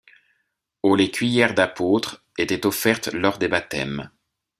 Aux les cuillères d'apôtre étaient offertes lors des baptêmes.